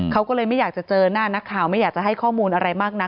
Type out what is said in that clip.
เขาก็เลยไม่อยากจะเจอหน้านักข่าวไม่อยากจะให้ข้อมูลอะไรมากนัก